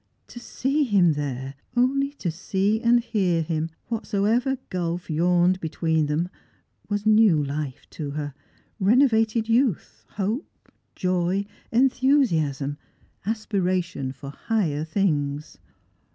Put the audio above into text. To see him there, only to see and hear him — whatsoever gulf yawned be tween them — was new life to her ; renovated youth, hope, joy, enthusiasm, aspiration for higher things.